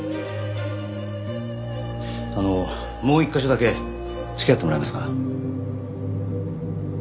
あのもう１カ所だけ付き合ってもらえますか。